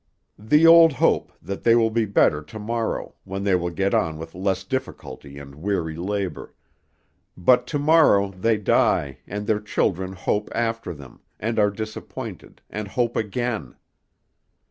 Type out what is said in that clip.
The old hope that they will be better to morrow, when they will get on with less difficulty and weary labor; but to morrow they die, and their children hope after them, and are disappointed, and hope again.